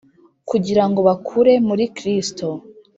kugirango bakure muri Kristo